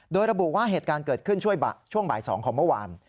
โดยระบุว่าเหตุการณ์เกิดขึ้นช่วงบ่าย๒ของเมื่อวาน